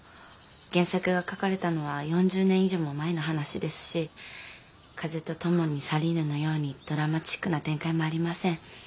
原作が書かれたのは４０年以上も前の話ですし「風と共に去りぬ」のようにドラマチックな展開もありません。